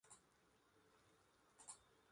Tiene su base y sede en el aeropuerto de Vitoria.